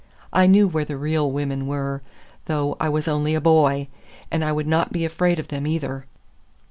I knew where the real women were, though I was only a boy; and I would not be afraid of them, either!